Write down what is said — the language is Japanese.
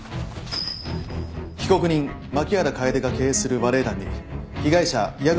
被告人槇原楓が経営するバレエ団に被害者矢口